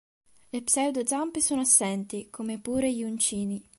Le pseudozampe sono assenti, come pure gli uncini.